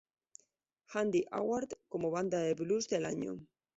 Handy Award como Banda de Blues del año.